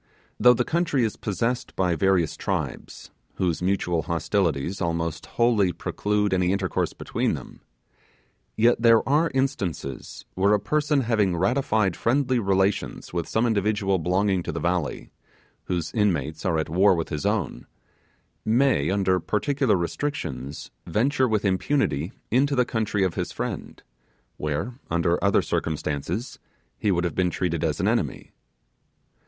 Though the country is possessed by various tribes, whose mutual hostilities almost wholly prelude any intercourse between them; yet there are instances where a person having ratified friendly relations with some individual belonging longing to the valley, whose inmates are at war with his own, may, under particular restrictions, venture with impunity into the country of his friend, where, under other circumstances, he would have been treated as an enemy.